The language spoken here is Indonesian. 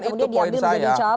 kemudian diambil menjadi cowok pres